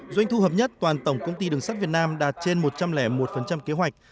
doanh thu hợp nhất toàn tổng công ty đường sắt việt nam đạt trên một trăm linh một kế hoạch